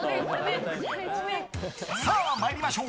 さあ参りましょう！